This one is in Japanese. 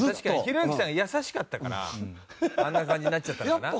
ひろゆきさんが優しかったからあんな感じになっちゃったのかな？